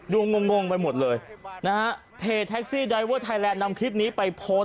งงงงไปหมดเลยนะฮะเพจแท็กซี่ไดเวอร์ไทยแลนด์นำคลิปนี้ไปโพสต์